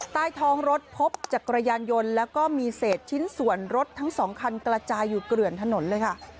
ใต้ท้องรถพบจักรยานยนต์แล้วก็มีเศษชิ้นส่วนรถทั้งสองคันกระจายอยู่เกลื่อนถนนเลยค่ะ